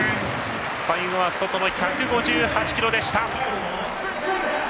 最後は外の１５８キロでした！